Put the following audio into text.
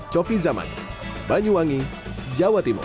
cofi zaman banyuwangi jawa timur